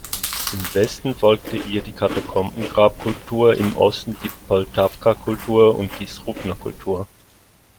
Im Westen folgte ihr die Katakombengrab-Kultur, im Osten die Poltavka-Kultur und die Srubna-Kultur.